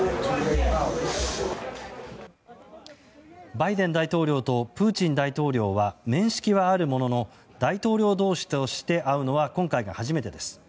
バイデン大統領とプーチン大統領は面識はあるものの大統領同士として会うのは今回が初めてです。